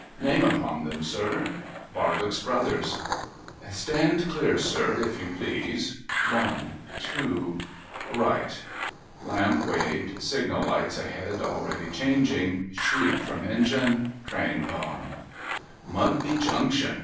' Name upon 'em, sir ?' Barbox Brothers.' 41 6 MUGBY JUNCTION ' Stand clear, sir, if you please. One. Two. Right:' Lamp waved. Signal lights ahead already changing. Shriek from engine. Train gone. ' Mugl)y Junction